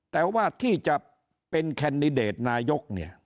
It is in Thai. แต่ว่าที่จะเป็นแคนดิเดตนายกเนี่ย